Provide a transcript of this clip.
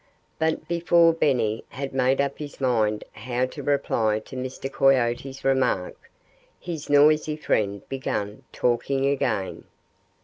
But before Benny had made up his mind how to reply to Mr. Coyote's remark, his noisy friend began talking again.